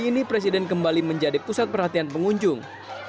kini presiden kembali menjadi pusat perhatian pengunjung